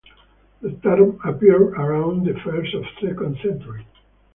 The term appeared around the first or second century.